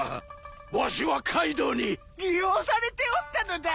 わしはカイドウに利用されておったのだ。